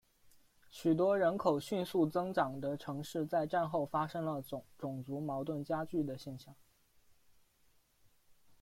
许多人口迅速增长的城市在战后发生了种族矛盾加剧的现象。